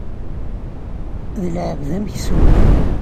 D lεebd ameksul.